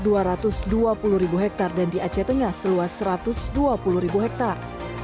di jokowi sebesar rp lima puluh hektar dan di aceh tengah sebesar rp satu ratus dua puluh hektar